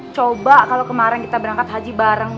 coba kalo kemaren kita berangkat haji bareng